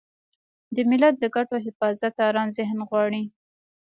د ملت د ګټو حفاظت ارام ذهن غواړي.